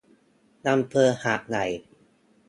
อำเภอหาดใหญ่